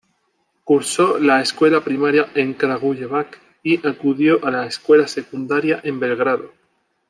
Cursó la escuela primaria en Kragujevac, y acudió a la escuela secundaria en Belgrado.